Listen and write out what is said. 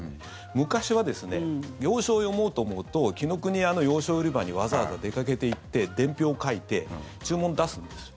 昔は洋書を読もうと思うと紀伊國屋の洋書売り場にわざわざ出かけて行って伝票を書いて注文を出すんですよ。